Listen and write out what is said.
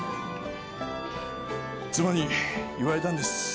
妻に言われたんです。